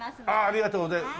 ありがとうございます。